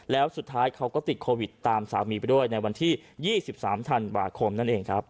แล้วสุดท้ายเขาก็ติดโควิดตามสามีไปด้วยในวันที่๒๓ธันวาคมนั่นเองครับ